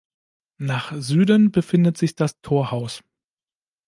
Nach Süden befindet sich das Torhaus.